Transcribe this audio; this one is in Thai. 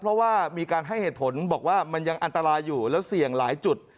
เพราะว่ามีการให้เหตุผลบอกว่ามันยังอันตรายอยู่แล้วเสี่ยงหลายจุด